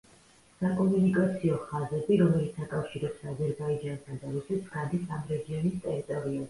საკომუნიკაციო ხაზები, რომელიც აკავშირებს აზერბაიჯანსა და რუსეთს გადის ამ რეგიონის ტერიტორიაზე.